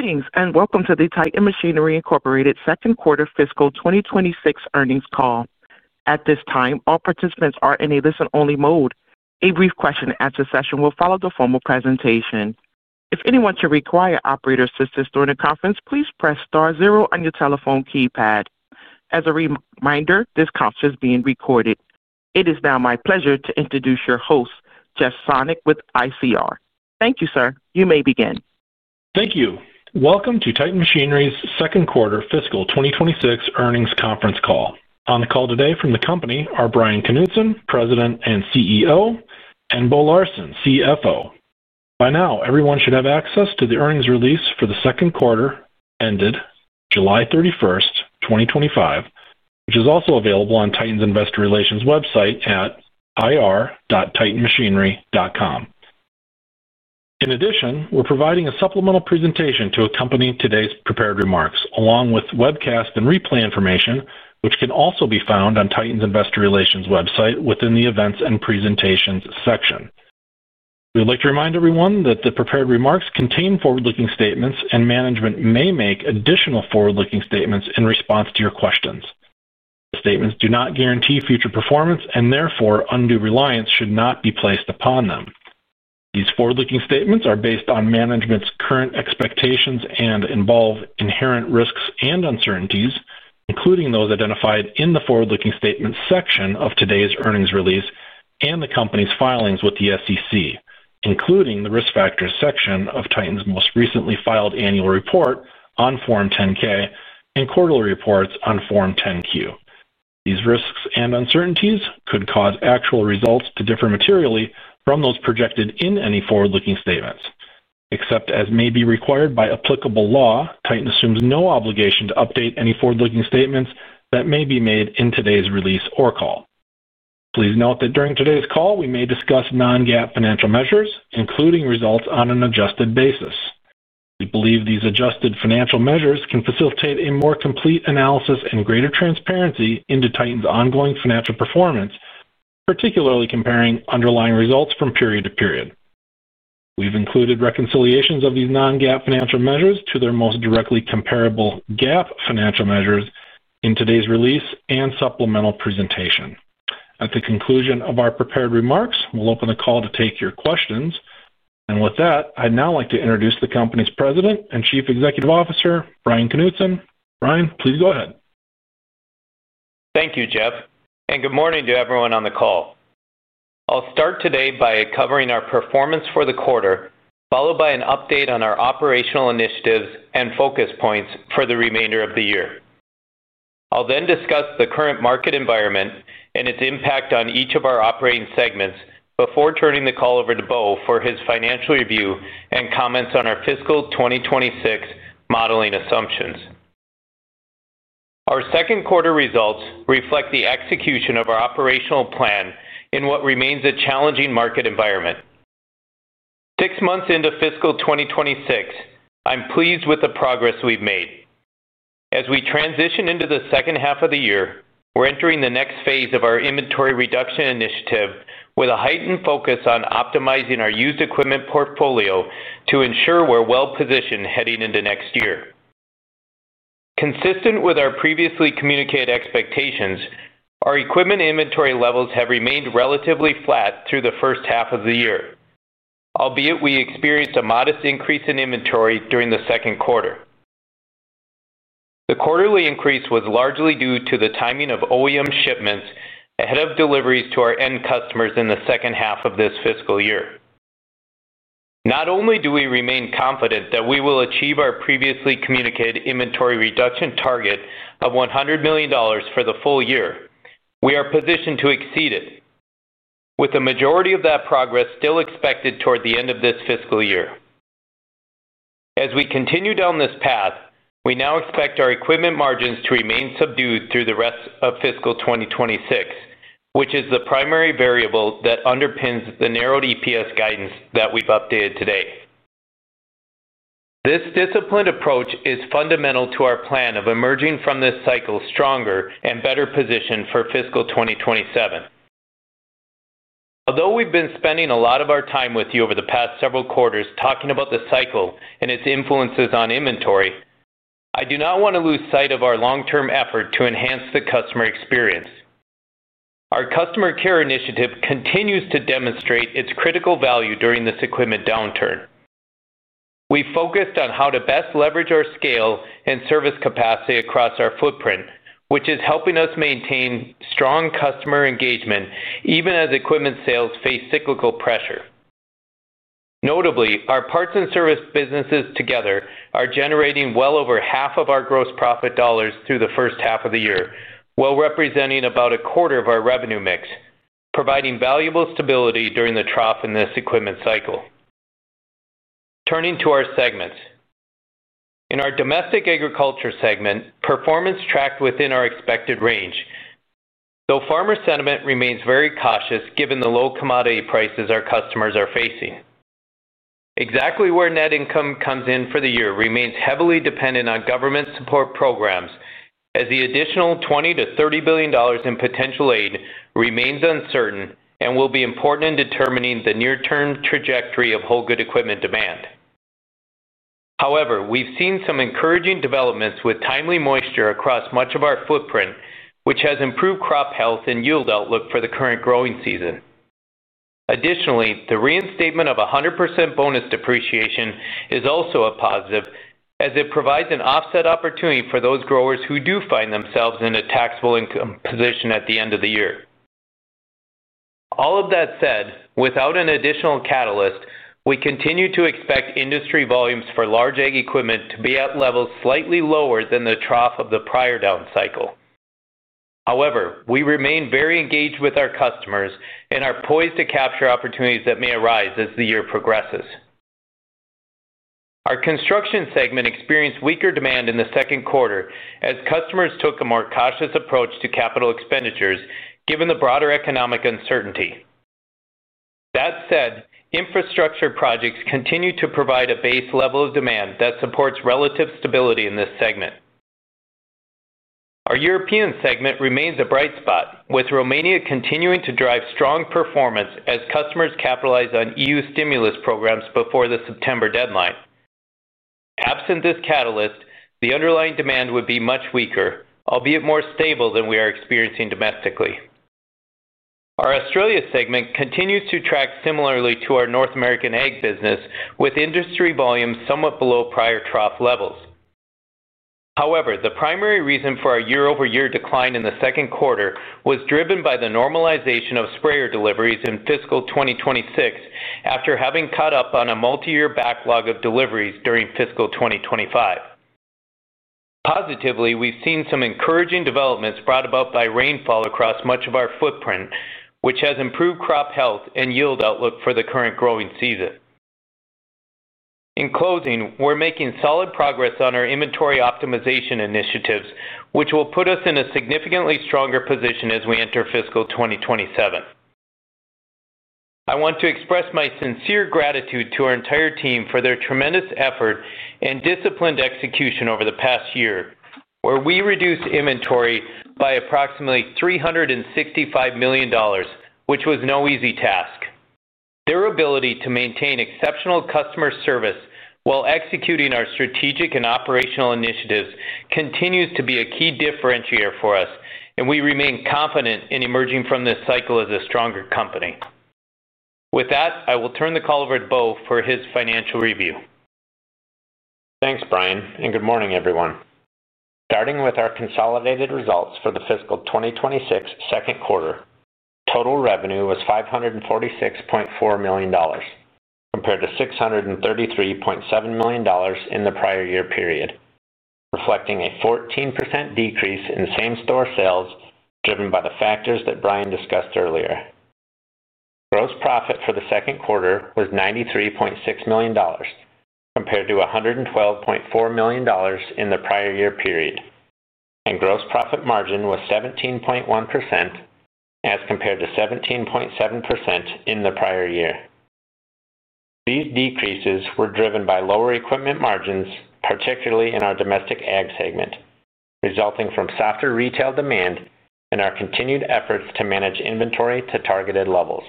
Greetings and welcome to the Titan Machinery Incorporated's Second Quarter Fiscal 2026 Earnings Call. At this time, all participants are in a listen-only mode. A brief question and answer session will follow the formal presentation. If anyone should require operator assistance during the conference, please press star zero on your telephone keypad. As a reminder, this conference is being recorded. It is now my pleasure to introduce your host, Jeff Sonnek with ICR. Thank you, sir. You may begin. Thank you. Welcome to Titan Machinery's Second Quarter Fiscal 2026 Earnings Conference Call. On the call today from the company are Bryan Knutson, President and CEO, and Bo Larsen, CFO. By now, everyone should have access to the earnings release for the second quarter ended July 31st, 2025, which is also available on Titan's Investor Relations website at ir.titanmachinery.com. In addition, we're providing a supplemental presentation to accompany today's prepared remarks, along with webcast and replay information, which can also be found on Titan's Investor Relations website within the Events and Presentations section. We would like to remind everyone that the prepared remarks contain forward-looking statements, and management may make additional forward-looking statements in response to your questions. The statements do not guarantee future performance, and therefore undue reliance should not be placed upon them. These forward-looking statements are based on management's current expectations and involve inherent risks and uncertainties, including those identified in the forward-looking statements section of today's earnings release and the company's filings with the SEC, including the Risk Factors section of Titan's most recently filed annual report on Form 10-K and quarterly reports on Form 10-Q. These risks and uncertainties could cause actual results to differ materially from those projected in any forward-looking statements. Except as may be required by applicable law, Titan assumes no obligation to update any forward-looking statements that may be made in today's release or call. Please note that during today's call, we may discuss non-GAAP financial measures, including results on an adjusted basis. We believe these adjusted financial measures can facilitate a more complete analysis and greater transparency into Titan's ongoing financial performance, particularly comparing underlying results from period to period. We've included reconciliations of these non-GAAP financial measures to their most directly comparable GAAP financial measures in today's release and supplemental presentation. At the conclusion of our prepared remarks, we'll open the call to take your questions. With that, I'd now like to introduce the company's president and chief executive officer, Bryan Knutson. Bryan, please go ahead. Thank you, Jeff, and good morning to everyone on the call. I'll start today by covering our performance for the quarter, followed by an update on our operational initiatives and focus points for the remainder of the year. I'll then discuss the current market environment and its impact on each of our operating segments before turning the call over to Bo for his financial review and comments on our fiscal 2026 modeling assumptions. Our second quarter results reflect the execution of our operational plan in what remains a challenging market environment. Six months into fiscal 2026, I'm pleased with the progress we've made. As we transition into the second half of the year, we're entering the next phase of our inventory reduction initiative with a heightened focus on optimizing our used equipment portfolio to ensure we're well-positioned heading into next year. Consistent with our previously communicated expectations, our equipment inventory levels have remained relatively flat through the first half of the year, albeit we experienced a modest increase in inventory during the second quarter. The quarterly increase was largely due to the timing of OEM shipments ahead of deliveries to our end customers in the second half of this fiscal year. Not only do we remain confident that we will achieve our previously communicated inventory reduction target of $100 million for the full year, we are positioned to exceed it, with the majority of that progress still expected toward the end of this fiscal year. As we continue down this path, we now expect our equipment margins to remain subdued through the rest of fiscal 2026, which is the primary variable that underpins the narrowed EPS guidance that we've updated today. This disciplined approach is fundamental to our plan of emerging from this cycle stronger and better positioned for fiscal 2027. Although we've been spending a lot of our time with you over the past several quarters talking about the cycle and its influences on inventory, I do not want to lose sight of our long-term effort to enhance the customer experience. Our customer care initiative continues to demonstrate its critical value during this equipment downturn. We've focused on how to best leverage our scale and service capacity across our footprint, which is helping us maintain strong customer engagement even as equipment sales face cyclical pressure. Notably, our parts and service businesses together are generating well over half of our gross profit dollars through the first half of the year, while representing about a quarter of our revenue mix, providing valuable stability during the trough in this equipment cycle. Turning to our segments, in our domestic agriculture segment, performance tracked within our expected range, though farmer sentiment remains very cautious given the low commodity prices our customers are facing. Exactly where net income comes in for the year remains heavily dependent on government support programs, as the additional $20 billion-$30 billion in potential aid remains uncertain and will be important in determining the near-term trajectory of whole good equipment demand. However, we've seen some encouraging developments with timely moisture across much of our footprint, which has improved crop health and yield outlook for the current growing season. Additionally, the reinstatement of 100% bonus depreciation is also a positive, as it provides an offset opportunity for those growers who do find themselves in a taxable income position at the end of the year. All of that said, without an additional catalyst, we continue to expect industry volumes for large ag equipment to be at levels slightly lower than the trough of the prior down cycle. However, we remain very engaged with our customers and are poised to capture opportunities that may arise as the year progresses. Our construction segment experienced weaker demand in the second quarter as customers took a more cautious approach to capital expenditures, given the broader economic uncertainty. That said, infrastructure projects continue to provide a base level of demand that supports relative stability in this segment. Our European segment remains a bright spot, with Romania continuing to drive strong performance as customers capitalize on EU stimulus programs before the September deadline. Absent this catalyst, the underlying demand would be much weaker, albeit more stable than we are experiencing domestically. Our Australia segment continues to track similarly to our North American ag business, with industry volumes somewhat below prior trough levels. However, the primary reason for our year-over-year decline in the second quarter was driven by the normalization of sprayer deliveries in fiscal 2026, after having caught up on a multi-year backlog of deliveries during fiscal 2025. Positively, we've seen some encouraging developments brought about by rainfall across much of our footprint, which has improved crop health and yield outlook for the current growing season. In closing, we're making solid progress on our inventory optimization initiatives, which will put us in a significantly stronger position as we enter fiscal 2027. I want to express my sincere gratitude to our entire team for their tremendous effort and disciplined execution over the past year, where we reduced inventory by approximately $365 million, which was no easy task. Their ability to maintain exceptional customer service while executing our strategic and operational initiatives continues to be a key differentiator for us, and we remain confident in emerging from this cycle as a stronger company. With that, I will turn the call over to Bo for his financial review. Thanks, Bryan, and good morning, everyone. Starting with our consolidated results for the fiscal 2026 second quarter, total revenue was $546.4 million compared to $633.7 million in the prior year period, reflecting a 14% decrease in same-store sales driven by the factors that Bryan discussed earlier. Gross profit for the second quarter was $93.6 million compared to $112.4 million in the prior year period, and gross profit margin was 17.1% as compared to 17.7% in the prior year. These decreases were driven by lower equipment margins, particularly in our domestic ag segment, resulting from softer retail demand and our continued efforts to manage inventory to targeted levels.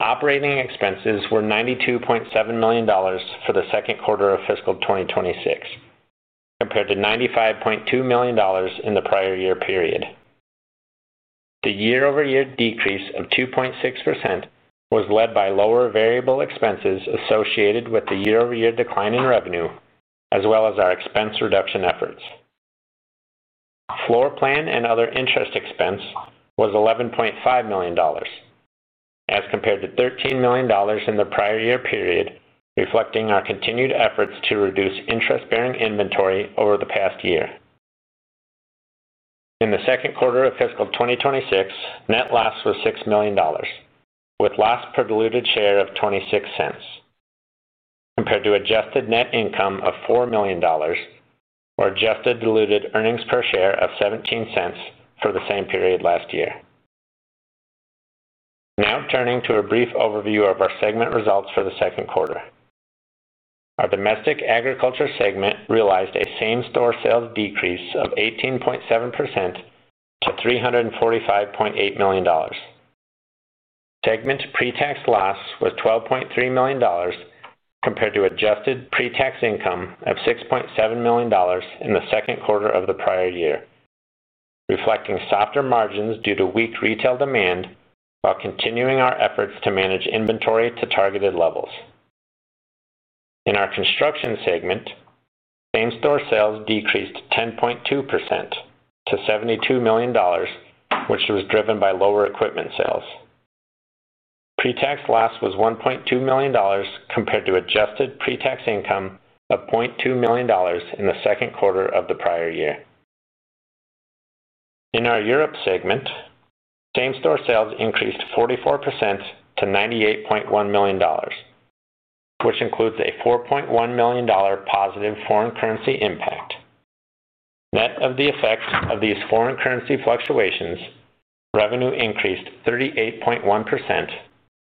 Operating expenses were $92.7 million for the second quarter of fiscal 2026, compared to $95.2 million in the prior year period. The year-over-year decrease of 2.6% was led by lower variable expenses associated with the year-over-year decline in revenue, as well as our expense reduction efforts. Floor plan and other interest expense was $11.5 million, as compared to $13 million in the prior year period, reflecting our continued efforts to reduce interest-bearing inventory over the past year. In the second quarter of fiscal 2026, net loss was $6 million, with loss per diluted share of $0.26, compared to adjusted net income of $4 million, or adjusted diluted earnings per share of $0.17 for the same period last year. Now turning to a brief overview of our segment results for the second quarter, our domestic agriculture segment realized a same-store sales decrease of 18.7% to $345.8 million. Segment pre-tax loss was $12.3 million, compared to adjusted pre-tax income of $6.7 million in the second quarter of the prior year, reflecting softer margins due to weak retail demand while continuing our efforts to manage inventory to targeted levels. In our construction segment, same-store sales decreased 10.2% to $72 million, which was driven by lower equipment sales. Pre-tax loss was $1.2 million, compared to adjusted pre-tax income of $0.2 million in the second quarter of the prior year. In our Europe segment, same-store sales increased 44% to $98.1 million, which includes a $4.1 million positive foreign currency impact. Net of the effects of these foreign currency fluctuations, revenue increased 38.1%,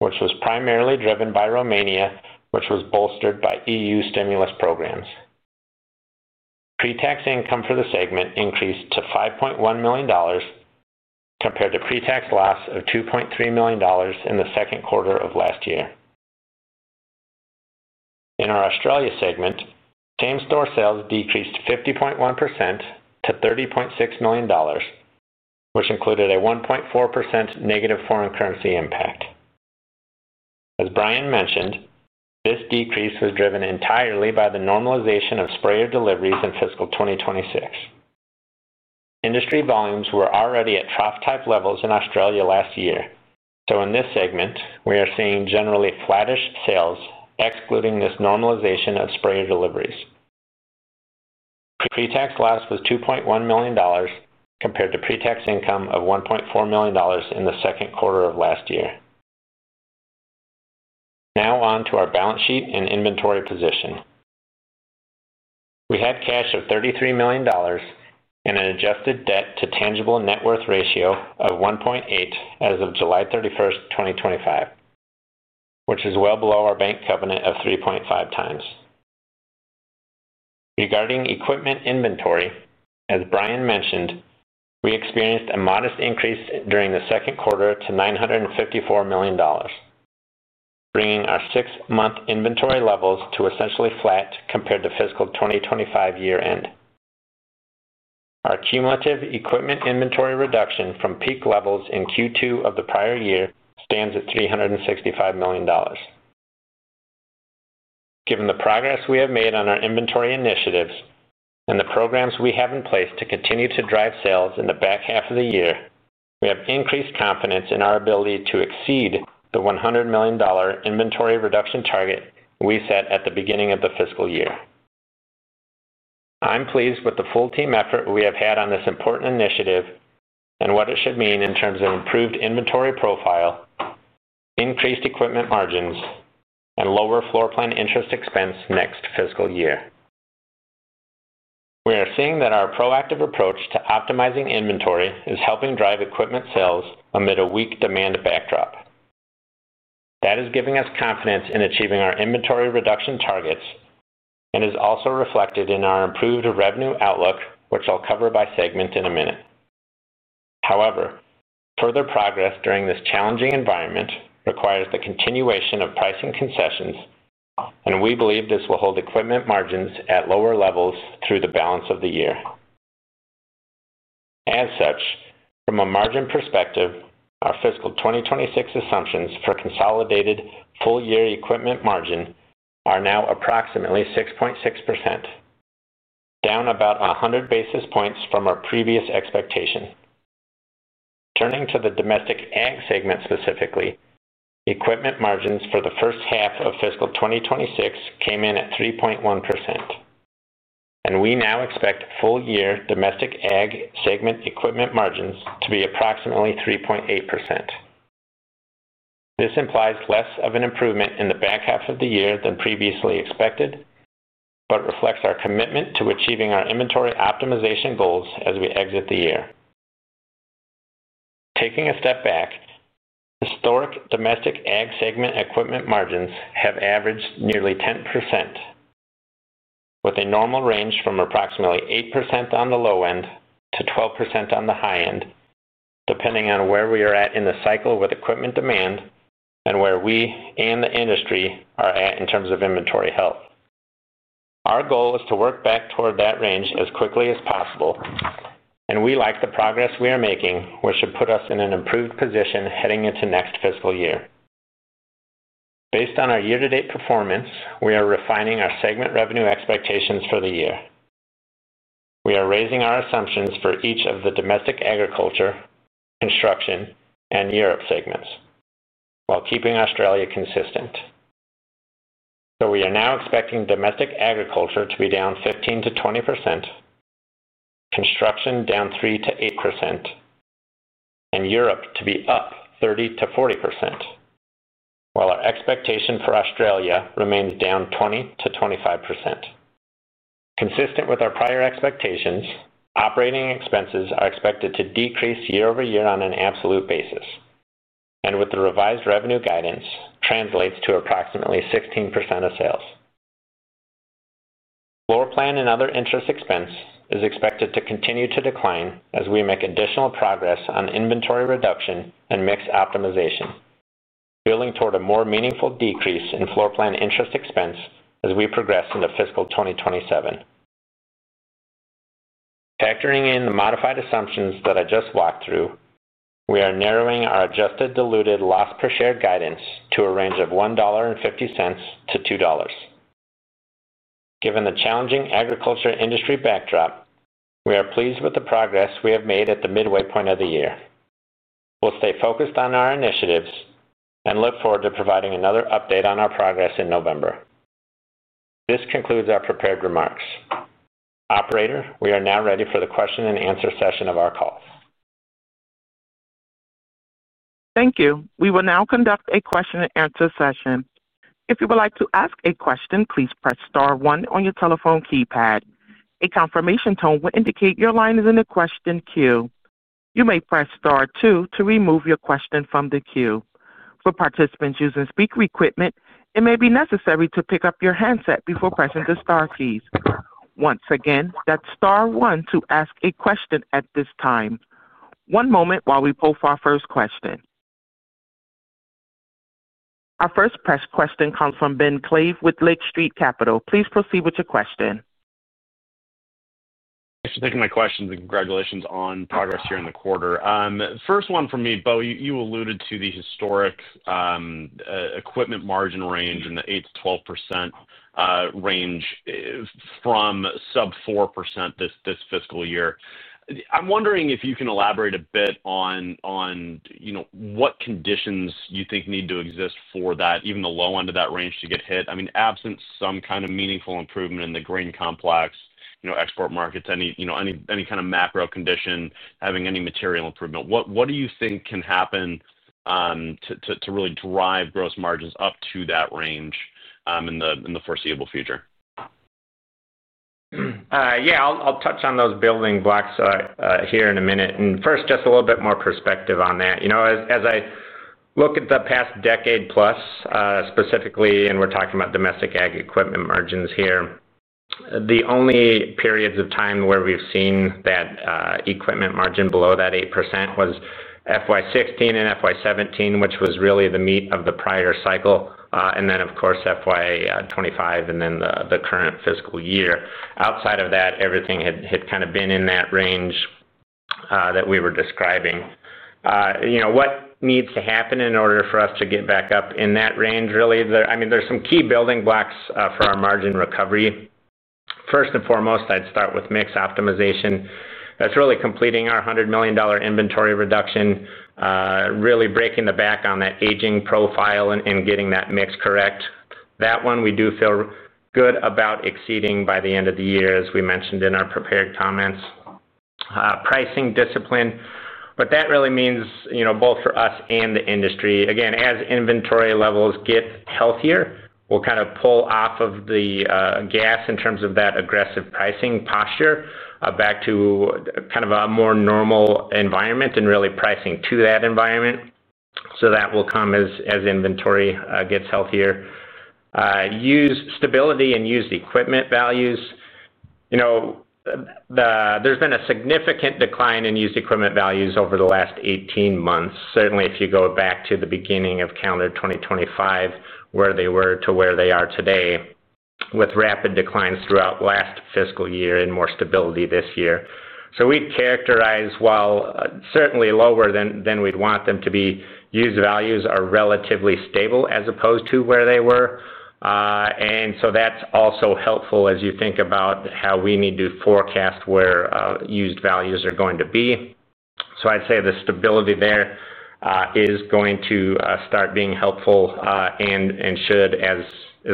which was primarily driven by Romania, which was bolstered by EU stimulus programs. Pre-tax income for the segment increased to $5.1 million, compared to pre-tax loss of $2.3 million in the second quarter of last year. In our Australia segment, same-store sales decreased 50.1% to $30.6 million, which included a 1.4% negative foreign currency impact. As Bryan mentioned, this decrease was driven entirely by the normalization of sprayer deliveries in fiscal 2026. Industry volumes were already at trough-type levels in Australia last year, though in this segment, we are seeing generally flattish sales, excluding this normalization of sprayer deliveries. Pre-tax loss was $2.1 million, compared to pre-tax income of $1.4 million in the second quarter of last year. Now on to our balance sheet and inventory position. We had cash of $33 million and an adjusted debt-to-tangible net worth ratio of 1.8 as of July 31st, 2025, which is well below our bank covenant of 3.5x. Regarding equipment inventory, as Bryan mentioned, we experienced a modest increase during the second quarter to $954 million, bringing our six-month inventory levels to essentially flat compared to fiscal 2025 year-end. Our cumulative equipment inventory reduction from peak levels in Q2 of the prior year stands at $365 million. Given the progress we have made on our inventory initiatives and the programs we have in place to continue to drive sales in the back half of the year, we have increased confidence in our ability to exceed the $100 million inventory reduction target we set at the beginning of the fiscal year. I'm pleased with the full team effort we have had on this important initiative and what it should mean in terms of an improved inventory profile, increased equipment margins, and lower floor plan interest expense next fiscal year. We are seeing that our proactive approach to optimizing inventory is helping drive equipment sales amid a weak demand backdrop. That is giving us confidence in achieving our inventory reduction targets and is also reflected in our improved revenue outlook, which I'll cover by segment in a minute. However, further progress during this challenging environment requires the continuation of pricing concessions, and we believe this will hold equipment margins at lower levels through the balance of the year. As such, from a margin perspective, our fiscal 2026 assumptions for consolidated full-year equipment margin are now approximately 6.6%, down about 100 basis points from our previous expectation. Turning to the domestic ag segment specifically, equipment margins for the first half of fiscal 2026 came in at 3.1%, and we now expect full-year domestic ag segment equipment margins to be approximately 3.8%. This implies less of an improvement in the back half of the year than previously expected, but reflects our commitment to achieving our inventory optimization goals as we exit the year. Taking a step back, historic domestic ag segment equipment margins have averaged nearly 10%, with a normal range from approximately 8% on the low end to 12% on the high end, depending on where we are at in the cycle with equipment demand and where we and the industry are at in terms of inventory health. Our goal is to work back toward that range as quickly as possible, and we like the progress we are making, which should put us in an improved position heading into next fiscal year. Based on our year-to-date performance, we are refining our segment revenue expectations for the year. We are raising our assumptions for each of the domestic agriculture, construction, and Europe segments, while keeping Australia consistent. We are now expecting domestic agriculture to be down 15%-20%, construction down 3%-8%, and Europe to be up 30%-40%, while our expectation for Australia remains down 20%-25%. Consistent with our prior expectations, operating expenses are expected to decrease year-over-year on an absolute basis, and with the revised revenue guidance, translates to approximately 16% of sales. Floor plan and other interest expense is expected to continue to decline as we make additional progress on inventory reduction and mix optimization, building toward a more meaningful decrease in floor plan interest expense as we progress into fiscal 2027. Factoring in the modified assumptions that I just walked through, we are narrowing our adjusted diluted loss per share guidance to a range of $1.50-$2. Given the challenging agriculture industry backdrop, we are pleased with the progress we have made at the midway point of the year. We will stay focused on our initiatives and look forward to providing another update on our progress in November. This concludes our prepared remarks. Operator, we are now ready for the question and answer session of our call. Thank you. We will now conduct a question and answer session. If you would like to ask a question, please press star one on your telephone keypad. A confirmation tone will indicate your line is in the question queue. You may press star two to remove your question from the queue. For participants using speaker equipment, it may be necessary to pick up your handset before pressing the star keys. Once again, that's star one to ask a question at this time. One moment while we poll for our first question. Our first question comes from Ben Klieve with Lake Street Capital. Please proceed with your question. Thanks for taking my questions and congratulations on progress here in the quarter. First one for me, Bo, you alluded to the historic equipment margin range in the 8%-12% range from sub 4% this fiscal year. I'm wondering if you can elaborate a bit on what conditions you think need to exist for that, even the low end of that range to get hit. I mean, absent some kind of meaningful improvement in the grain complex, export markets, any kind of macro condition having any material improvement, what do you think can happen to really drive gross margins up to that range in the foreseeable future? Yeah, I'll touch on those building blocks here in a minute. First, just a little bit more perspective on that. You know, as I look at the past decade plus, specifically, and we're talking about domestic ag equipment margins here, the only periods of time where we've seen that equipment margin below that 8% was FY 2016 and FY 2017, which was really the meat of the prior cycle, and then, of course, FY 2025 and then the current fiscal year. Outside of that, everything had kind of been in that range that we were describing. You know, what needs to happen in order for us to get back up in that range really? I mean, there's some key building blocks for our margin recovery. First and foremost, I'd start with mix optimization. That's really completing our $100 million inventory reduction, really breaking the back on that aging profile and getting that mix correct. That one we do feel good about exceeding by the end of the year, as we mentioned in our prepared comments. Pricing discipline, but that really means both for us and the industry. Again, as inventory levels get healthier, we'll kind of pull off of the gas in terms of that aggressive pricing posture back to kind of a more normal environment and really pricing to that environment. That will come as inventory gets healthier. Use stability and used equipment values. You know, there's been a significant decline in used equipment values over the last 18 months. Certainly, if you go back to the beginning of calendar 2025, where they were to where they are today, with rapid declines throughout last fiscal year and more stability this year. We'd characterize while certainly lower than we'd want them to be, used values are relatively stable as opposed to where they were. That's also helpful as you think about how we need to forecast where used values are going to be. I'd say the stability there is going to start being helpful and should, as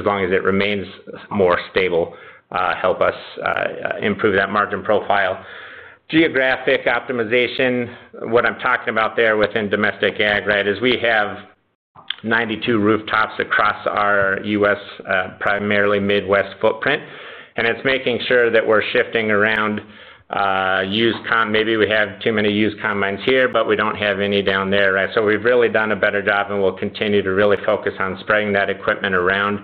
long as it remains more stable, help us improve that margin profile. Geographic optimization, what I'm talking about there within domestic ag, right, is we have 92 rooftops across our U.S., primarily Midwest footprint, and it's making sure that we're shifting around used comp. Maybe we have too many used combines here, but we don't have any down there. We've really done a better job and will continue to really focus on spreading that equipment around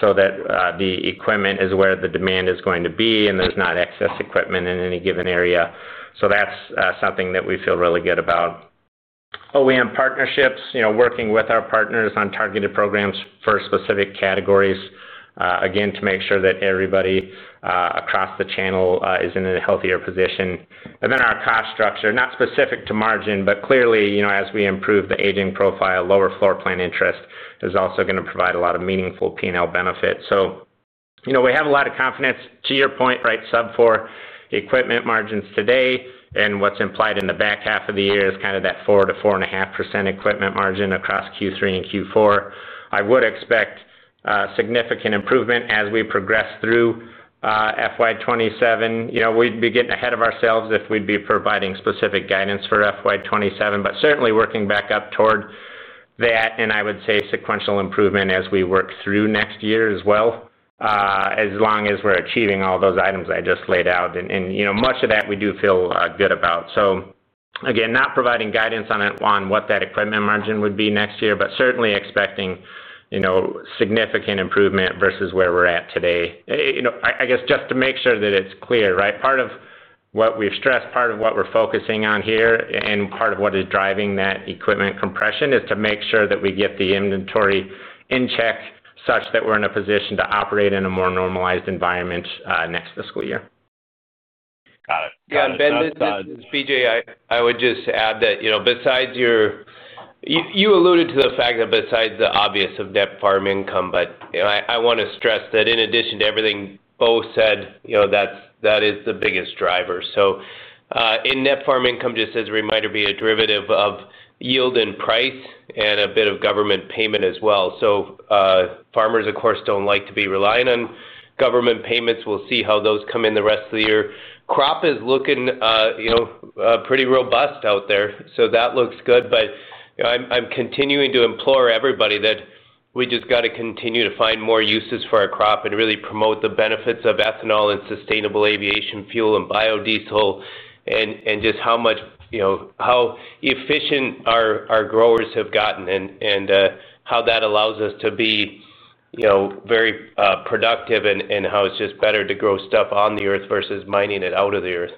so that the equipment is where the demand is going to be and there's not excess equipment in any given area. That's something that we feel really good about. OEM partnerships, you know, working with our partners on targeted programs for specific categories, again, to make sure that everybody across the channel is in a healthier position. Our cost structure, not specific to margin, but clearly, you know, as we improve the aging profile, lower floor plan interest is also going to provide a lot of meaningful P&L benefits. We have a lot of confidence to your point, right, sub 4% equipment margins today, and what's implied in the back half of the year is kind of that 4%-4.5% equipment margin across Q3 and Q4. I would expect a significant improvement as we progress through FY 2027. We'd be getting ahead of ourselves if we'd be providing specific guidance for FY 2027, but certainly working back up toward that, and I would say sequential improvement as we work through next year as well, as long as we're achieving all those items I just laid out, and you know, much of that we do feel good about. Again, not providing guidance on what that equipment margin would be next year, but certainly expecting, you know, significant improvement versus where we're at today. I guess just to make sure that it's clear, right, part of what we've stressed, part of what we're focusing on here, and part of what is driving that equipment compression is to make sure that we get the inventory in check such that we're in a position to operate in a more normalized environment next fiscal year. Got it. Yeah, Ben, this is BJ. I would just add that, you know, besides your, you alluded to the fact that besides the obvious of net farm income, I want to stress that in addition to everything Bo said, that is the biggest driver. In net farm income, just as a reminder, it'd be a derivative of yield and price and a bit of government payment as well. Farmers, of course, don't like to be relying on government payments. We'll see how those come in the rest of the year. Crop is looking pretty robust out there. That looks good. I'm continuing to implore everybody that we just got to continue to find more uses for our crop and really promote the benefits of ethanol and sustainable aviation fuel and biodiesel and just how much, you know, how efficient our growers have gotten and how that allows us to be very productive and how it's just better to grow stuff on the earth versus mining it out of the earth.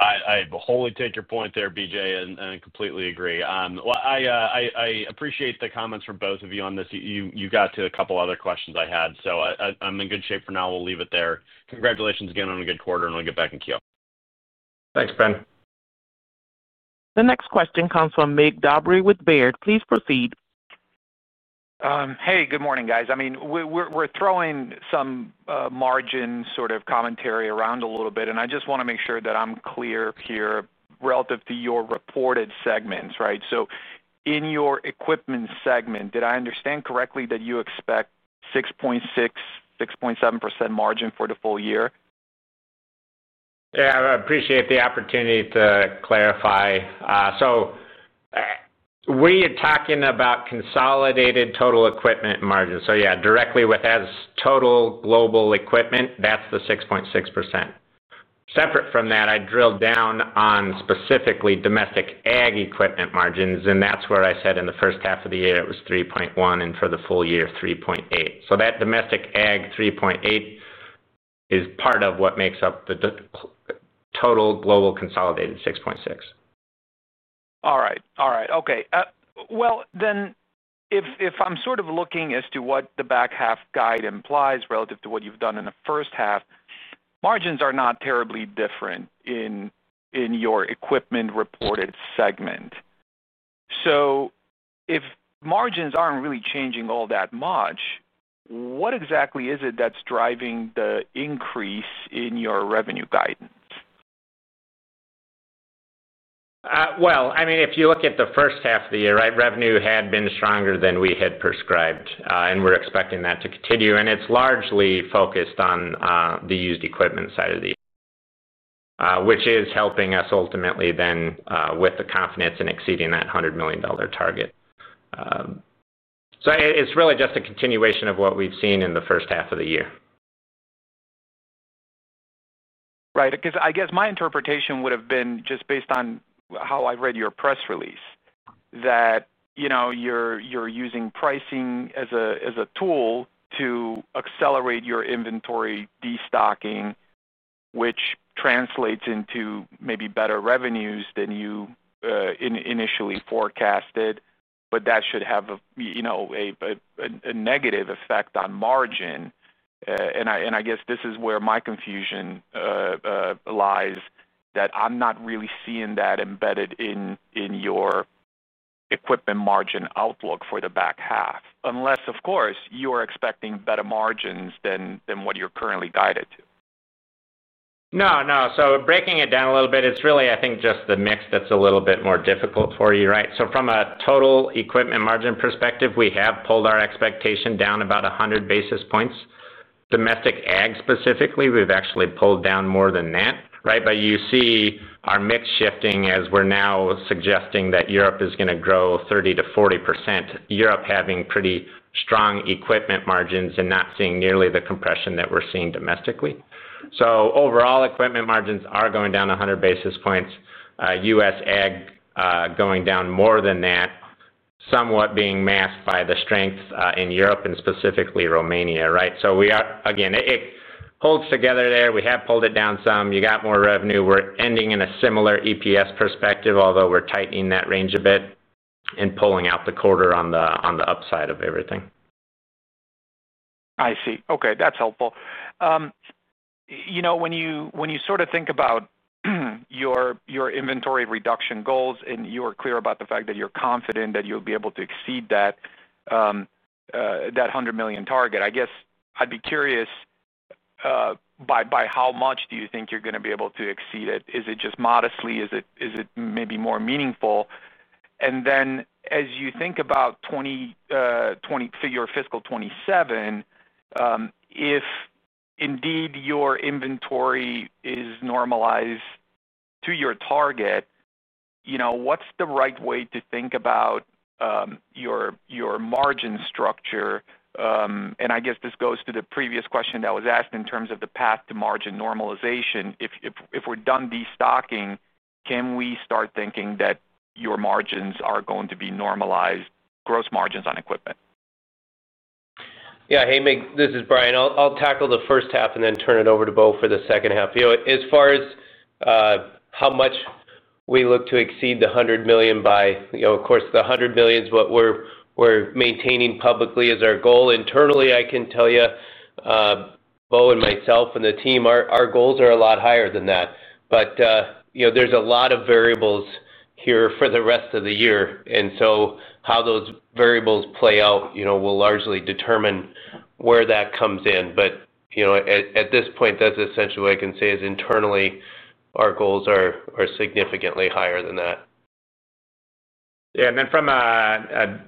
I wholly take your point there, BJ, and completely agree. I appreciate the comments from both of you on this. You got to a couple other questions I had. I'm in good shape for now. We'll leave it there. Congratulations again on a good quarter, and I'll get back in queue. Thanks, Ben. The next question comes from Mircea Dobre with Baird. Please proceed. Hey, good morning, guys. We're throwing some margin sort of commentary around a little bit, and I just want to make sure that I'm clear here relative to your reported segments, right? In your equipment segment, did I understand correctly that you expect 6.6%, 6.7% margin for the full year? I appreciate the opportunity to clarify. We are talking about consolidated total equipment margins. Directly with total global equipment, that's the 6.6%. Separate from that, I drilled down on specifically domestic ag equipment margins, and that's where I said in the first half of the year it was 3.1% and for the full year 3.8%. That domestic ag 3.8% is part of what makes up the total global consolidated 6.6%. All right. Okay. If I'm sort of looking as to what the back half guide implies relative to what you've done in the first half, margins are not terribly different in your equipment reported segment. If margins aren't really changing all that much, what exactly is it that's driving the increase in your revenue guidance? If you look at the first half of the year, revenue had been stronger than we had prescribed, and we're expecting that to continue. It's largely focused on the used equipment side, which is helping us ultimately then with the confidence in exceeding that $100 million target. It's really just a continuation of what we've seen in the first half of the year. Right, because I guess my interpretation would have been, just based on how I read your press release, that you know you're using pricing as a tool to accelerate your inventory destocking, which translates into maybe better revenues than you initially forecasted. That should have a negative effect on margin. I guess this is where my confusion lies, that I'm not really seeing that embedded in your equipment margin outlook for the back half, unless, of course, you are expecting better margins than what you're currently guided to. No, no. Breaking it down a little bit, it's really, I think, just the mix that's a little bit more difficult for you, right? From a total equipment margin perspective, we have pulled our expectation down about 100 basis points. Domestic ag specifically, we've actually pulled down more than that, right? You see our mix shifting as we're now suggesting that Europe is going to grow 30%-40%, Europe having pretty strong equipment margins and not seeing nearly the compression that we're seeing domestically. Overall, equipment margins are going down 100 basis points, U.S. ag going down more than that, somewhat being masked by the strength in Europe and specifically Romania, right? It holds together there. We have pulled it down some. You got more revenue. We're ending in a similar EPS perspective, although we're tightening that range a bit and pulling out the quarter on the upside of everything. I see. Okay, that's helpful. When you sort of think about your inventory reduction goals, and you are clear about the fact that you're confident that you'll be able to exceed that $100 million target, I'd be curious, by how much do you think you're going to be able to exceed it? Is it just modestly? Is it maybe more meaningful? As you think about your fiscal 2027, if indeed your inventory is normalized to your target, what's the right way to think about your margin structure? I guess this goes to the previous question that was asked in terms of the path to margin normalization. If we're done destocking, can we start thinking that your margins are going to be normalized, gross margins on equipment? Yeah, hey Mike, this is Bryan. I'll tackle the first half and then turn it over to Bo for the second half. As far as how much we look to exceed the $100 million by, of course, the $100 million is what we're maintaining publicly as our goal. Internally, I can tell you, Bo and myself and the team, our goals are a lot higher than that. There's a lot of variables here for the rest of the year. How those variables play out will largely determine where that comes in. At this point, that's essentially what I can say is internally, our goals are significantly higher than that. From a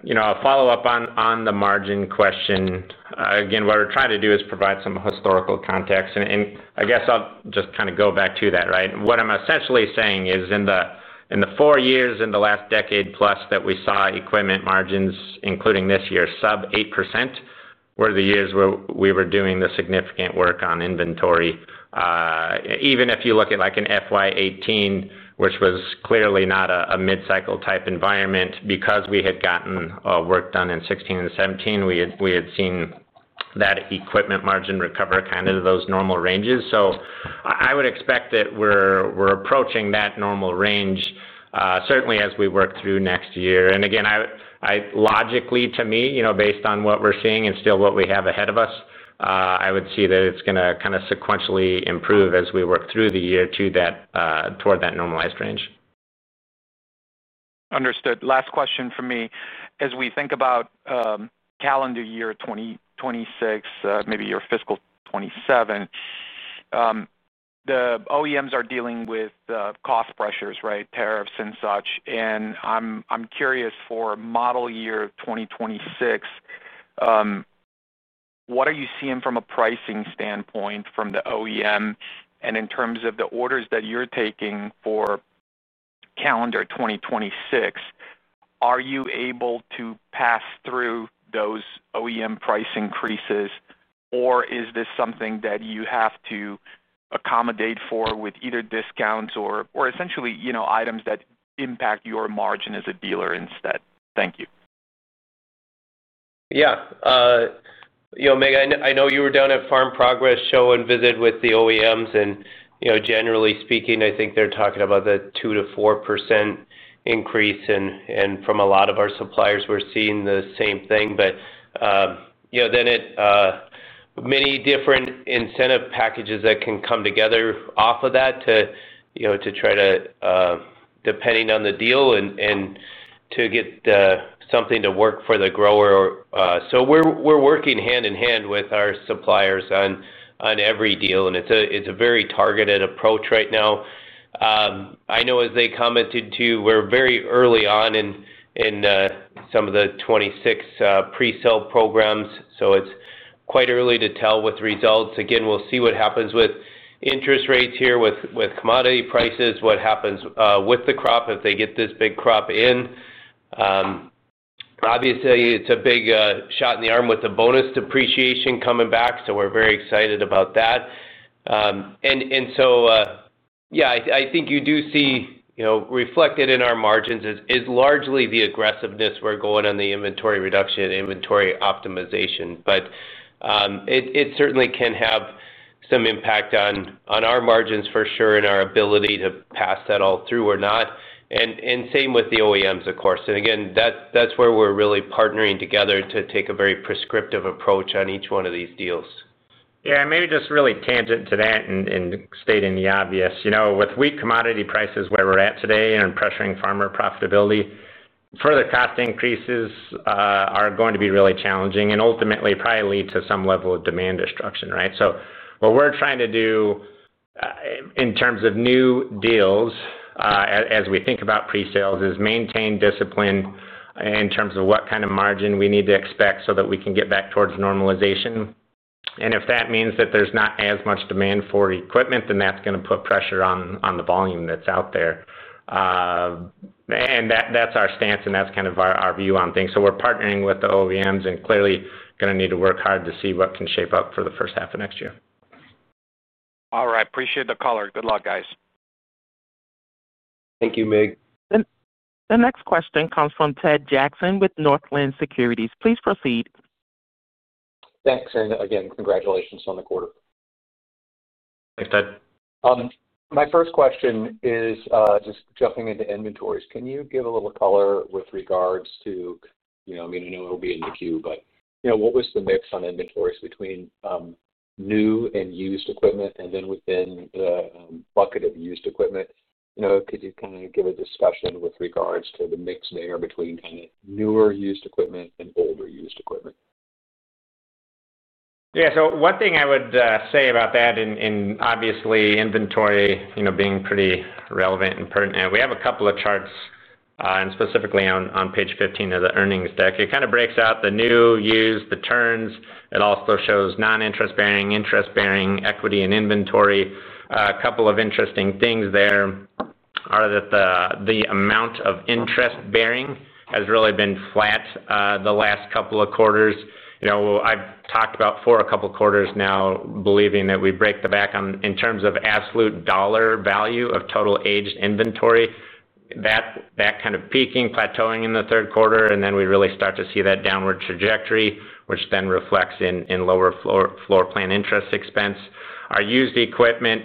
follow-up on the margin question, again, what we're trying to do is provide some historical context. I guess I'll just kind of go back to that, right? What I'm essentially saying is in the four years, in the last decade plus that we saw equipment margins, including this year, sub 8% were the years where we were doing the significant work on inventory. Even if you look at like an FY 2018, which was clearly not a mid-cycle type environment, because we had gotten work done in 2016 and 2017, we had seen that equipment margin recover kind of those normal ranges. I would expect that we're approaching that normal range, certainly as we work through next year. Logically, to me, based on what we're seeing and still what we have ahead of us, I would see that it's going to kind of sequentially improve as we work through the year toward that normalized range. Understood. Last question for me. As we think about calendar year 2026, maybe your fiscal 2027, the OEMs are dealing with cost pressures, right, tariffs and such. I'm curious for model year 2026, what are you seeing from a pricing standpoint from the OEM? In terms of the orders that you're taking for calendar 2026, are you able to pass through those OEM price increases, or is this something that you have to accommodate for with either discounts or essentially, you know, items that impact your margin as a dealer instead? Thank you. Yeah. You know, Mike, I know you were down at Farm Progress Show and visited with the OEMs. Generally speaking, I think they're talking about the 2%-4% increase. From a lot of our suppliers, we're seeing the same thing. Then, many different incentive packages can come together off of that to try to, depending on the deal, get something to work for the grower. We're working hand in hand with our suppliers on every deal. It's a very targeted approach right now. I know as they commented too, we're very early on in some of the 2026 pre-sale programs. It's quite early to tell with results. We'll see what happens with interest rates here, with commodity prices, what happens with the crop if they get this big crop in. Obviously, it's a big shot in the arm with the bonus depreciation coming back. We're very excited about that. I think you do see reflected in our margins is largely the aggressiveness we're going on the inventory reduction and inventory optimization. It certainly can have some impact on our margins for sure and our ability to pass that all through or not. Same with the OEMs, of course. That's where we're really partnering together to take a very prescriptive approach on each one of these deals. Maybe just really tangent to that and stating the obvious, with wheat commodity prices where we're at today and pressuring farmer profitability, further cost increases are going to be really challenging and ultimately probably lead to some level of demand destruction, right? What we're trying to do in terms of new deals, as we think about pre-sales, is maintain discipline in terms of what kind of margin we need to expect so that we can get back towards normalization. If that means that there's not as much demand for equipment, then that's going to put pressure on the volume that's out there. That's our stance and that's kind of our view on things. We're partnering with the OEMs and clearly going to need to work hard to see what can shape up for the first half of next year. All right, appreciate the call. Good luck, guys. Thank you, Mike. The next question comes from Ted Jackson with Northland Securities. Please proceed. Thanks, and again, congratulations on the quarter. Thanks, Ted. My first question is just jumping into inventories. Can you give a little color with regards to, you know, I mean, I know it'll be in the queue, but you know, what was the mix on inventories between new and used equipment, and then within the bucket of used equipment, could you kind of give a discussion with regards to the mix there between kind of newer used equipment and older used equipment? Yeah, so one thing I would say about that, and obviously inventory, you know, being pretty relevant and pertinent, we have a couple of charts, and specifically on page 15 of the earnings deck, it kind of breaks out the new, used, the turns. It also shows non-interest bearing, interest bearing, equity, and inventory. A couple of interesting things there are that the amount of interest bearing has really been flat the last couple of quarters. I've talked about for a couple of quarters now believing that we break the back on in terms of absolute dollar value of total aged inventory, that kind of peaking, plateauing in the third quarter, and then we really start to see that downward trajectory, which then reflects in lower floor plan interest expense. Our used equipment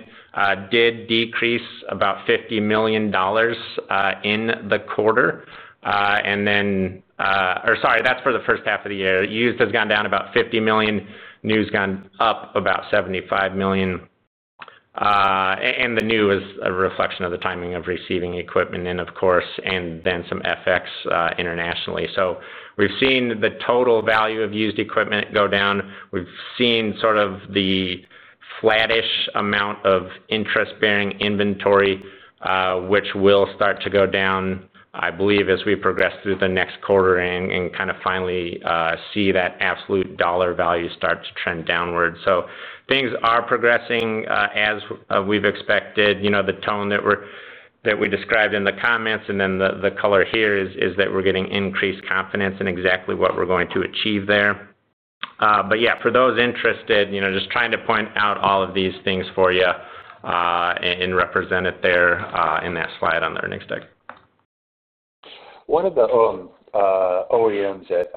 did decrease about $50 million in the quarter, or sorry, that's for the first half of the year. Used has gone down about $50 million, new's gone up about $75 million, and the new is a reflection of the timing of receiving equipment, and of course, and then some FX internationally. We have seen the total value of used equipment go down. We've seen sort of the flattish amount of interest bearing inventory, which will start to go down, I believe, as we progress through the next quarter and kind of finally see that absolute dollar value start to trend downward. Things are progressing as we've expected. The tone that we described in the comments and then the color here is that we're getting increased confidence in exactly what we're going to achieve there. For those interested, just trying to point out all of these things for you and represent it there in that slide on the earnings deck. One of the OEMs at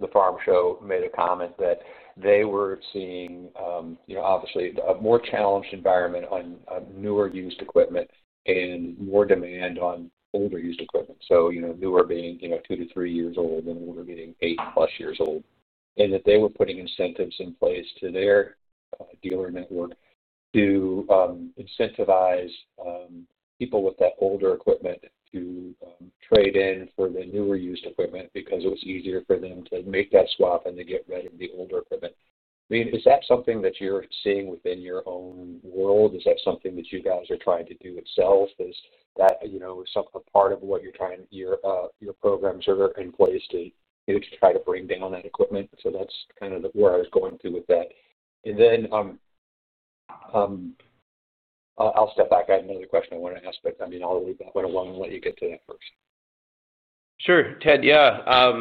the farm show made a comment that they were seeing, obviously a more challenged environment on newer used equipment and more demand on older used equipment. Newer being, you know, two to three years old and older being eight plus years old. They were putting incentives in place to their dealer network to incentivize people with the older equipment to trade in for the newer used equipment because it was easier for them to make that swap and to get rid of the older equipment. Is that something that you're seeing within your own world? Is that something that you guys are trying to do itself? Is that a part of what you're trying to, your programs are in place to try to bring down that equipment? That's kind of where I was going to with that. I had another question I wanted to ask, but I'll leave that one alone and let you get to that first. Sure, Ted, yeah.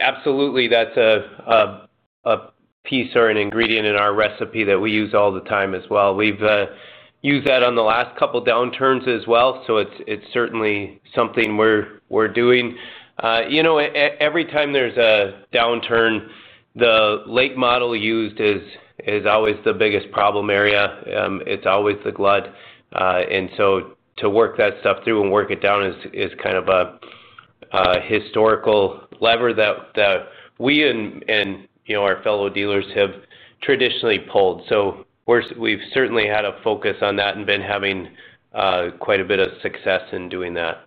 Absolutely, that's a piece or an ingredient in our recipe that we use all the time as well. We've used that on the last couple downturns as well, so it's certainly something we're doing. Every time there's a downturn, the late model used is always the biggest problem area. It's always the glut. To work that stuff through and work it down is kind of a historical lever that we and, you know, our fellow dealers have traditionally pulled. We've certainly had a focus on that and been having quite a bit of success in doing that.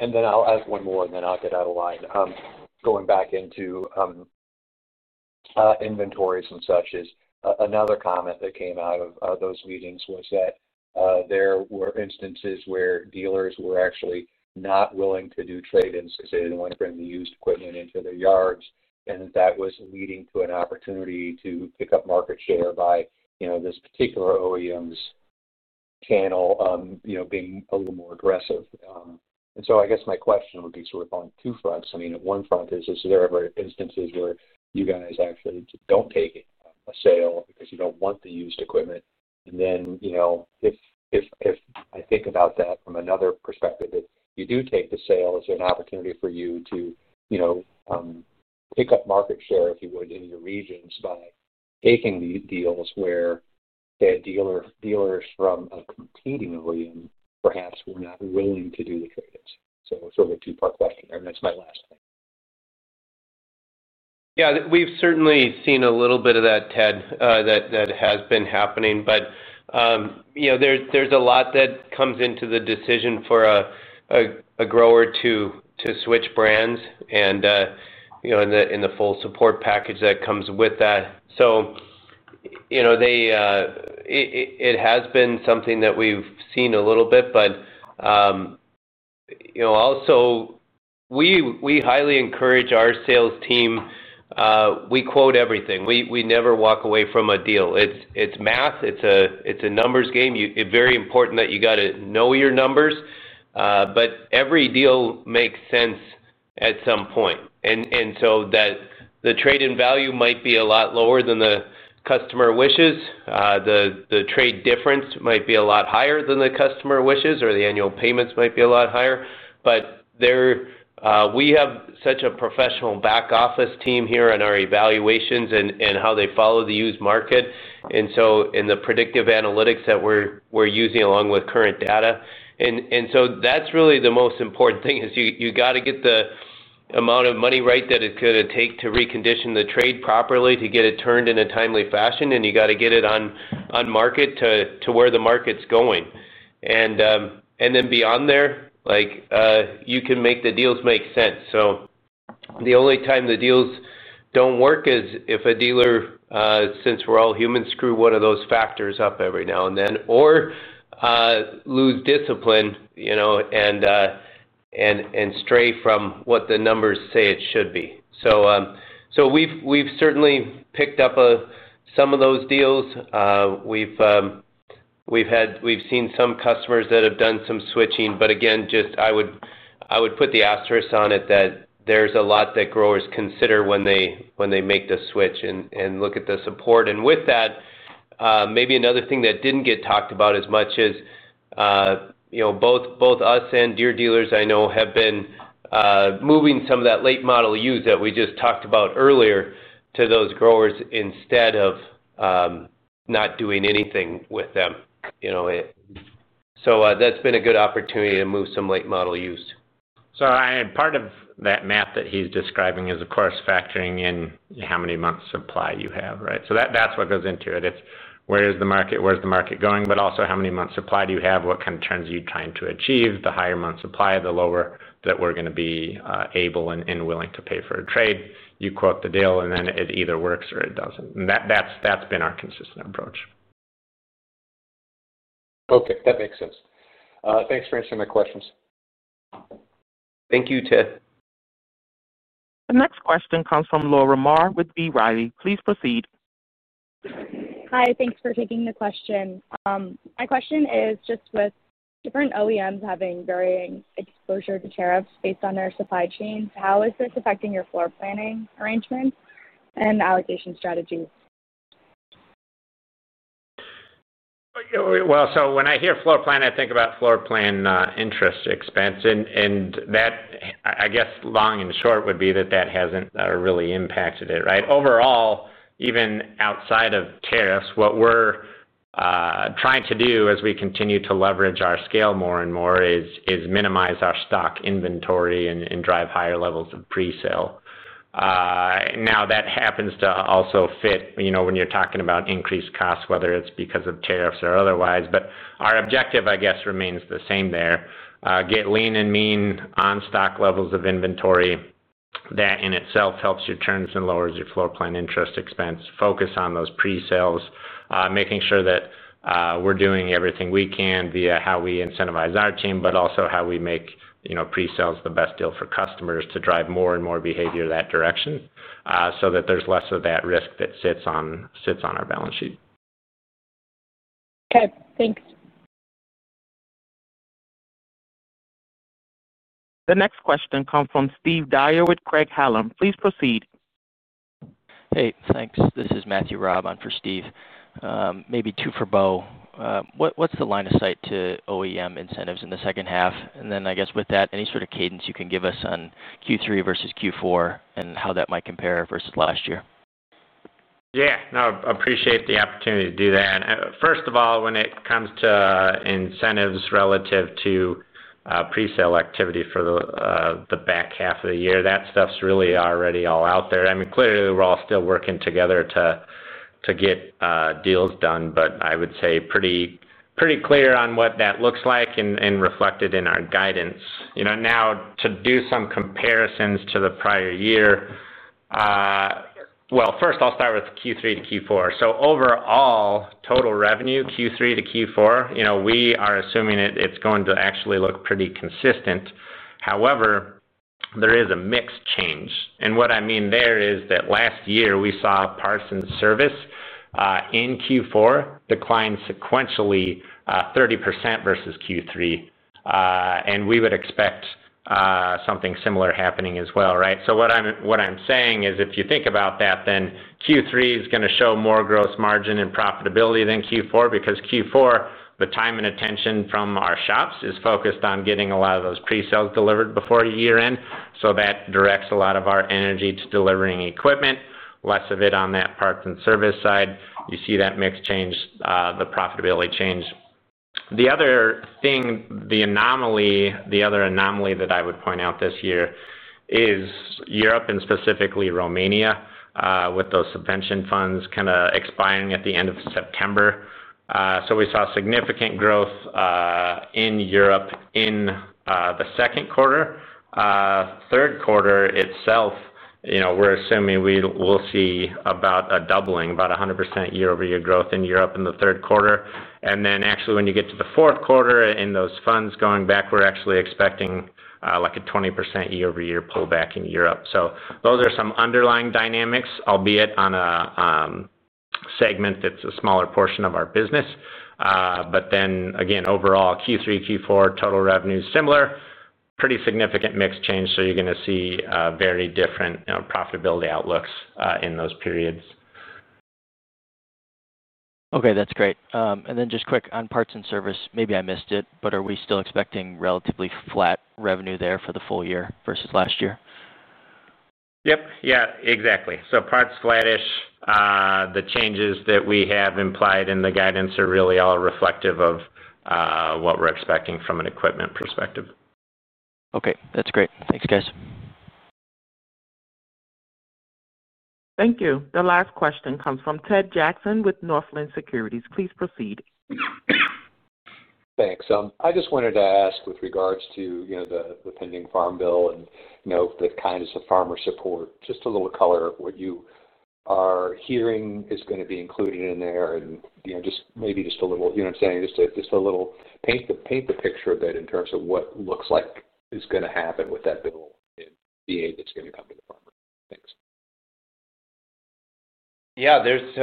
I'll ask one more, and then I'll get out of line. Going back into inventories and such, another comment that came out of those meetings was that there were instances where dealers were actually not willing to do trade-ins because they didn't want to bring the used equipment into their yards. That was leading to an opportunity to pick up market share by, you know, this particular OEM's channel, you know, being a little more aggressive. I guess my question would be sort of on two fronts. At one front, is there ever instances where you guys actually don't take a sale because you don't want the used equipment? If I think about that from another perspective, you do take the sales. It's an opportunity for you to, you know, pick up market share, if you would, in your regions, but taking the deals where dealers from a competing OEM perhaps were not willing to do the trade-ins. It's sort of a two-part question. That's my last thing. Yeah, we've certainly seen a little bit of that, Ted, that has been happening. There's a lot that comes into the decision for a grower to switch brands and the full support package that comes with that. It has been something that we've seen a little bit, but we highly encourage our sales team. We quote everything. We never walk away from a deal. It's math. It's a numbers game. It's very important that you got to know your numbers. Every deal makes sense at some point. The trade-in value might be a lot lower than the customer wishes. The trade difference might be a lot higher than the customer wishes, or the annual payments might be a lot higher. We have such a professional back-office team here on our evaluations and how they follow the used market and the predictive analytics that we're using along with current data. That's really the most important thing. You got to get the amount of money right that it's going to take to recondition the trade properly to get it turned in a timely fashion. You got to get it on market to where the market's going. Beyond there, you can make the deals make sense. The only time the deals don't work is if a dealer, since we're all humans, screws one of those factors up every now and then, or loses discipline and strays from what the numbers say it should be. We've certainly picked up some of those deals. We've seen some customers that have done some switching, but again, I would put the asterisk on it that there's a lot that growers consider when they make the switch and look at the support. With that, maybe another thing that didn't get talked about as much is both us and Deere dealers I know have been moving some of that late model used that we just talked about earlier to those growers instead of not doing anything with them. That's been a good opportunity to move some late model used. Part of that math that he's describing is, of course, factoring in how many months of supply you have, right? That's what goes into it. It's where's the market, where's the market going, but also how many months of supply do you have, what kind of turns are you trying to achieve. The higher months of supply, the lower that we're going to be able and willing to pay for a trade. You quote the deal and then it either works or it doesn't. That's been our consistent approach. Okay, that makes sense. Thanks for answering my questions. Thank you, Ted. The next question comes from Laura Maher with B. Riley. Please proceed. Hi, thanks for taking the question. My question is just with different OEMs having varying exposure to tariffs based on their supply chains, how is this affecting your floor planning arrangements and allocation strategy? When I hear floor plan, I think about floor plan interest expense. Long and short would be that that hasn't really impacted it, right? Overall, even outside of tariffs, what we're trying to do as we continue to leverage our scale more and more is minimize our stock inventory and drive higher levels of pre-sale. That happens to also fit, you know, when you're talking about increased costs, whether it's because of tariffs or otherwise. Our objective, I guess, remains the same there. Get lean and mean on stock levels of inventory. That in itself helps your turns and lowers your floor plan interest expense. Focus on those pre-sales, making sure that we're doing everything we can via how we incentivize our team, but also how we make, you know, pre-sales the best deal for customers to drive more and more behavior that direction so that there's less of that risk that sits on our balance sheet. Okay, thanks. The next question comes from Steve Dyer with Craig Hallum. Please proceed. Hey, thanks. This is Matthew Raab on for Steve. Maybe two for Bo. What's the line of sight to OEM incentives in the second half? I guess with that, any sort of cadence you can give us on Q3 versus Q4 and how that might compare versus last year? Yeah, no, I appreciate the opportunity to do that. First of all, when it comes to incentives relative to pre-sale activity for the back half of the year, that stuff's really already all out there. I mean, clearly we're all still working together to get deals done, but I would say pretty clear on what that looks like and reflected in our guidance. Now, to do some comparisons to the prior year, first I'll start with Q3 to Q4. Overall total revenue Q3 to Q4, we are assuming it's going to actually look pretty consistent. However, there is a mixed change. What I mean there is that last year we saw parts and service in Q4 decline sequentially 30% versus Q3, and we would expect something similar happening as well, right? What I'm saying is if you think about that, then Q3 is going to show more gross margin and profitability than Q4 because Q4, the time and attention from our shops is focused on getting a lot of those pre-sales delivered before year end. That directs a lot of our energy to delivering equipment, less of it on that parts and service side. You see that mixed change, the profitability change. The other thing, the anomaly, the other anomaly that I would point out this year is Europe and specifically Romania with those subvention funds kind of expiring at the end of September. We saw significant growth in Europe in the second quarter. Third quarter itself, we are assuming we will see about a doubling, about 100% year-over-year growth in Europe in the third quarter. When you get to the fourth quarter and those funds going back, we're actually expecting like a 20% year-over-year pullback in Europe. Those are some underlying dynamics, albeit on a segment that's a smaller portion of our business. Overall Q3, Q4, total revenue is similar, pretty significant mixed change. You're going to see very different profitability outlooks in those periods. Okay, that's great. Just quick on parts and service, maybe I missed it, but are we still expecting relatively flat revenue there for the full year versus last year? Yeah, exactly. Parts flat-ish. The changes that we have implied in the guidance are really all reflective of what we're expecting from an equipment perspective. Okay, that's great. Thanks, guys. Thank you. The last question comes from Ted Jackson with Northland Securities. Please proceed. Thanks. I just wanted to ask with regards to the pending farm bill and the kindness of farmer support, just a little color of what you are hearing is going to be included in there. Maybe just a little, you know what I'm saying, just paint the picture a bit in terms of what looks like is going to happen with that bill and the aid that's going to come to the farmer. Thanks. Yeah, there's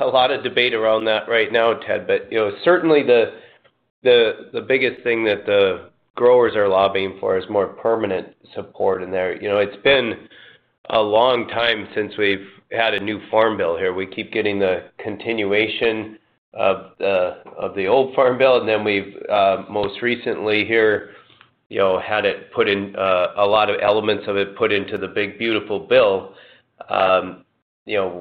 a lot of debate around that right now, Ted, but you know, certainly the biggest thing that the growers are lobbying for is more permanent support in there. It's been a long time since we've had a new farm bill here. We keep getting the continuation of the old farm bill, and then we've most recently here had a lot of elements of it put into the big beautiful bill,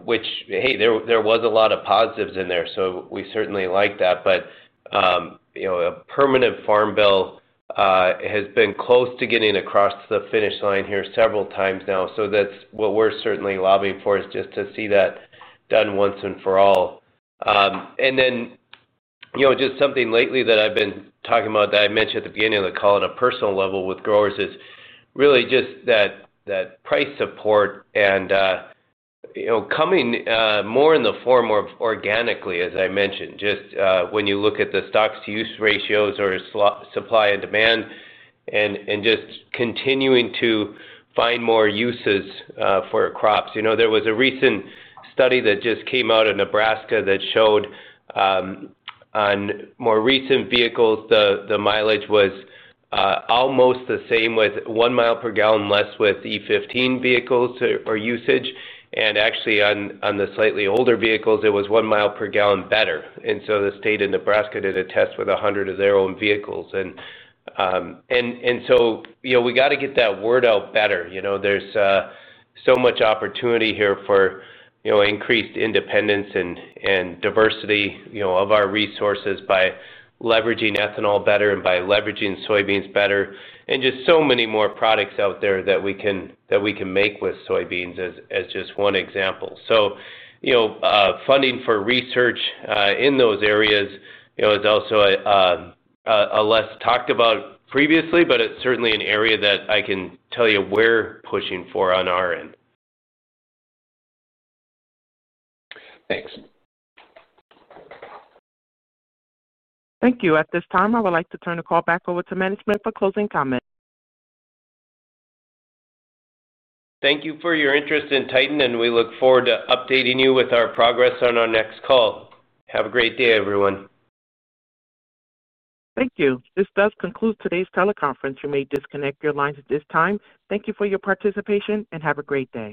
which, hey, there was a lot of positives in there. We certainly like that. A permanent farm bill has been close to getting across the finish line here several times now. That's what we're certainly lobbying for, just to see that done once and for all. Just something lately that I've been talking about that I mentioned at the beginning of the call at a personal level with growers is really just that price support and coming more in the form of organically, as I mentioned, just when you look at the stocks to use ratios or supply and demand and just continuing to find more uses for crops. There was a recent study that just came out of Nebraska that showed on more recent vehicles, the mileage was almost the same with 1 mpg less with E15 vehicles or usage. Actually, on the slightly older vehicles, it was 1 mpg better. The state of Nebraska did a test with 100 of their own vehicles. We got to get that word out better. There's so much opportunity here for increased independence and diversity of our resources by leveraging ethanol better and by leveraging soybeans better. There are just so many more products out there that we can make with soybeans as just one example. Funding for research in those areas is also a less talked about previously, but it's certainly an area that I can tell you we're pushing for on our end. Thanks. Thank you. At this time, I would like to turn the call back over to management for closing comments. Thank you for your interest in Titan and we look forward to updating you with our progress on our next call. Have a great day, everyone. Thank you. This does conclude today's teleconference. You may disconnect your lines at this time. Thank you for your participation and have a great day.